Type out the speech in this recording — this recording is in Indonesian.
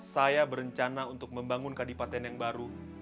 saya berencana untuk membangun kabupaten yang baru